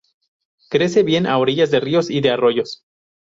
Crece bien a orillas de ríos y de arroyos.